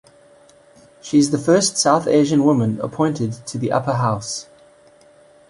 She is the first South Asian woman appointed to the Upper House.